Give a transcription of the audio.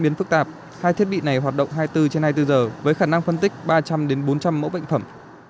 biến phức tạp hai thiết bị này hoạt động hai mươi bốn trên hai mươi bốn giờ với khả năng phân tích ba trăm linh bốn trăm linh mẫu bệnh phẩm